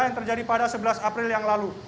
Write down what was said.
yang terjadi pada sebelas april yang lalu